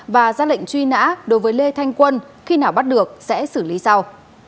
và ra lệnh truy nã đối với lê thanh quân khi nào bắt được sẽ xử lý sau